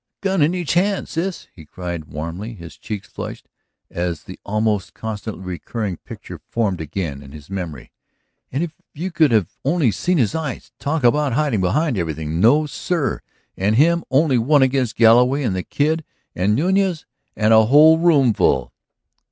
"A gun in each hand, Sis," he cried warmly, his cheeks flushed, as the almost constantly recurring picture formed again in his memory. "And if you could have only seen his eyes! Talk about hiding behind anything ... no sir! And him only one against Galloway and the Kid and Nuñez and a whole room full."